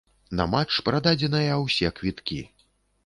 На матч прададзеныя ўсе квіткі.